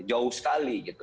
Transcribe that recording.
jauh sekali gitu